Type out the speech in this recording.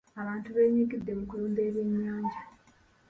Abantu beenyigidde mu kulunda ebyennyanja.